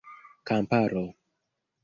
kamparo